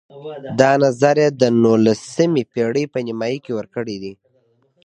دا نظر یې د نولسمې پېړۍ په نیمایي کې ورکړی دی.